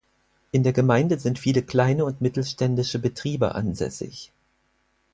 In der Gemeinde sind viele kleine und mittelständische Betriebe ansässig.